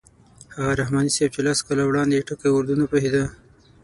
هماغه رحماني صاحب چې لس کاله وړاندې په ټکي اردو نه پوهېده.